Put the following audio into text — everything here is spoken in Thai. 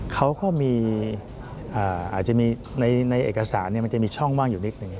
เขาก็มีอาจจะมีในเอกสารมันจะมีช่องว่างอยู่นิดหนึ่ง